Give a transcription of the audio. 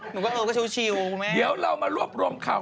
หนูก็เออก็ชิวครับคุณแม่งเดี๋ยวเรามารวบร่วมข่าว